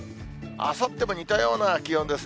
あさっても似たような気温ですね。